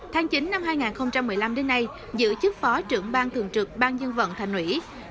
tháng chín năm hai nghìn một mươi năm đến nay giữ chức phó trưởng bang thường trực bang dân vận thành nguyễn